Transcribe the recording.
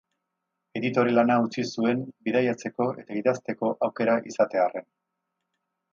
Editore-lana utzi zuen bidaiatzeko eta idazteko aukera izatearren.